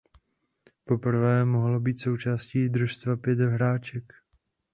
Poprvé mohlo být součástí družstva pět hráček.